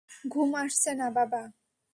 ঘুম আসছে না, বাবা।